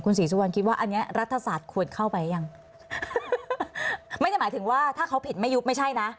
ศรีสุวรรณคิดว่าอันนี้รัฐศาสตร์ควรเข้าไปยังไม่ได้หมายถึงว่าถ้าเขาผิดไม่ยุบไม่ใช่นะ